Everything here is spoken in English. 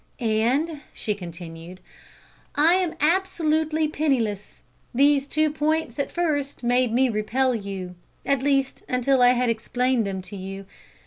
"And," she continued, "I am absolutely penniless. These two points at first made me repel you at least, until I had explained them to you.